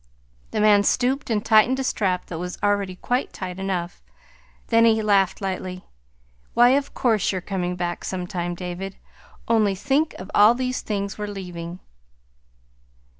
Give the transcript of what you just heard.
The man stooped and tightened a strap that was already quite tight enough. Then he laughed lightly. "Why, of course you're coming back sometime, David. Only think of all these things we're leaving!"